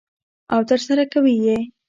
او ترسره کوي یې.